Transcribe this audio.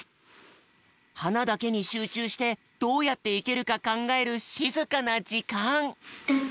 はなだけにしゅうちゅうしてどうやっていけるかかんがえるしずかなじかん。